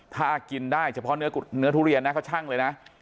ถ้ากินได้เฉพาะเนื้อทุเรียนนะเขาชั่งเลยนะ